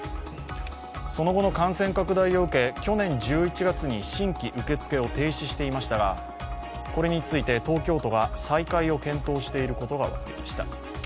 その後の感染拡大を受け、去年１１月に新規受付を停止していましたがこれについて東京都が再開を検討していることが分かりました。